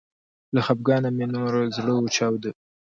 له خفګانه مې نور زړه وچاوده